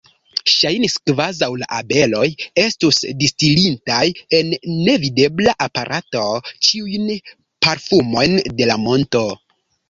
Ŝajnis, kvazaŭ la abeloj estus distilintaj en nevidebla aparato ĉiujn parfumojn de la monto.